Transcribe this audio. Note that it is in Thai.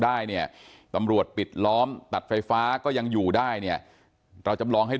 ได้เนี่ยตำรวจปิดล้อมตัดไฟฟ้าก็ยังอยู่ได้เนี่ยเราจำลองให้